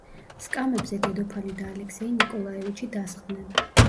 სკამებზე დედოფალი და ალექსეი ნიკოლაევიჩი დასხდნენ.